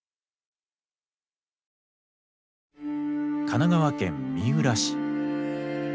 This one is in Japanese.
神奈川県三浦市。